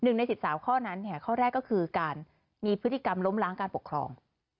หนึ่งใน๑๓ข้อนั้นข้อแรกก็คือการมีพฤติกรรมล้มล้างการปกครอง